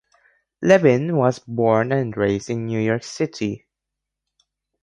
Levin was born and raised in New York City.